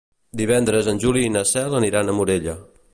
Divendres en Juli i na Cel aniran a Morella.